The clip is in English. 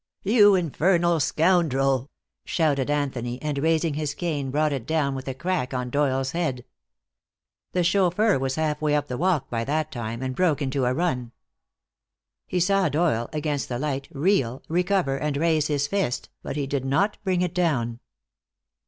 "You infernal scoundrel," shouted Anthony, and raising his cane, brought it down with a crack on Doyle's head. The chauffeur was half way up the walk by that time, and broke into a run. He saw Doyle, against the light, reel, recover and raise his fist, but he did not bring it down.